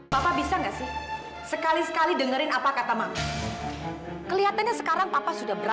sampai jumpa di video selanjutnya